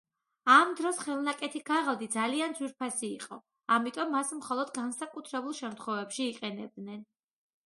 ამ დროს ხელნაკეთი ქაღალდი ძალიან ძვირფასი იყო, ამიტომ მას მხოლოდ განსაკუთრებულ შემთხვევებში იყენებდნენ.